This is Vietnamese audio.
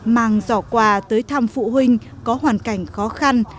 mang giỏ quà tới thăm phụ huynh có hoàn cảnh khó khăn